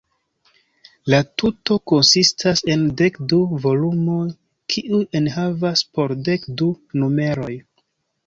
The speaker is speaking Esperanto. La tuto konsistas en dek du volumoj, kiuj enhavas po dek du numeroj.